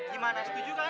gimana setuju kan